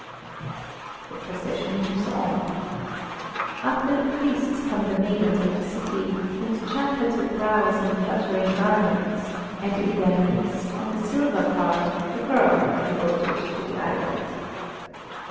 The procession moves on. After the priests come the maidens of the city, with chapleted brows and fluttering garments, and in their midst, on a silver car, the girl devoted to the idol.